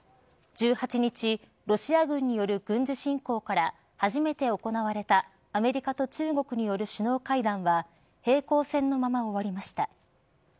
１８日ロシア軍による軍事侵攻から初めて行われたアメリカと中国による首脳会談は平行線のまま終わりました。